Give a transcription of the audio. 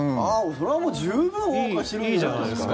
それはもう十分おう歌してるじゃないですか。